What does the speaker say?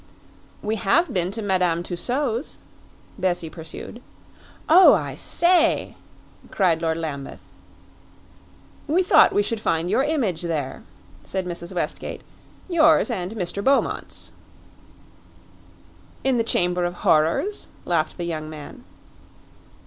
"We have been to Madame Tussaud's," Bessie pursued. "Oh, I say!" cried Lord Lambeth. "We thought we should find your image there," said Mrs. Westgate "yours and Mr. Beaumont's." "In the Chamber of Horrors?" laughed the young man.